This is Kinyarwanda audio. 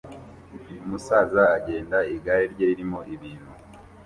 Umusaza agenda igare rye ririmo ibintu